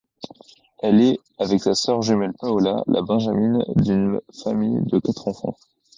Elle est, avec sa sœur jumelle Paola, la benjamine d'une famille de quatre enfants.